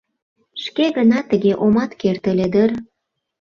Шке гына тыге омат керт ыле дыр.